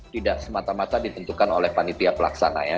tidak semata mata ditentukan oleh panitia pelaksana ya